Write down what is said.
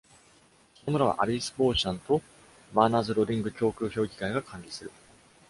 その村はアビス・ボーシャンとバーナーズ・ロディング教区評議会が管理する。